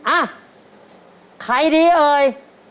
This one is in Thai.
อ่ะใครดีเอ่ย